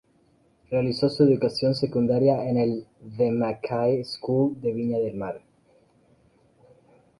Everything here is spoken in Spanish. Realizó su educación secundaria en el The Mackay School de Viña del Mar.